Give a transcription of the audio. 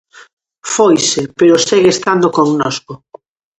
Foise, pero segue estando connosco.